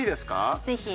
ぜひ。